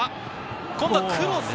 今度はクロスか？